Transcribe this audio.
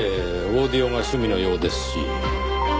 オーディオが趣味のようですし。